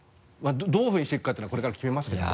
どういうふうにしていくかっていうのはこれから決めますけど。